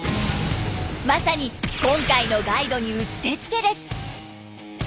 まさに今回のガイドにうってつけです。